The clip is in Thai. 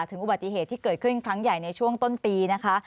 อุบัติเหตุที่เกิดขึ้นครั้งใหญ่ในช่วงต้นปีนะคะ